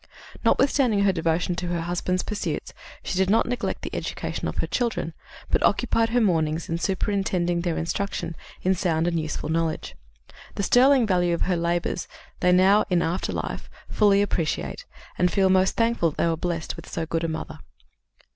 "Notwithstanding her devotion to her husband's pursuits, she did not neglect the education of her children, but occupied her mornings in superintending their instruction in sound and useful knowledge. The sterling value of her labors they now, in after life, fully appreciate, and feel most thankful that they were blessed with so good a mother."